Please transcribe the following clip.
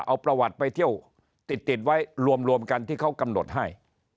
เอาประวัติไปเที่ยวติดไว้รวมกันที่เขากำหนดให้